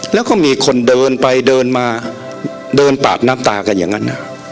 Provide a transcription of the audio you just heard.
แล้วก็มีคนเดินไปเดินมาเดินปาดน้ำตากันอย่างนั้น